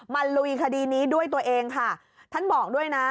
ลุยคดีนี้ด้วยตัวเองค่ะท่านบอกด้วยนะ